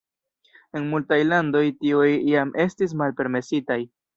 En multaj landoj tiuj jam estas malpermesitaj.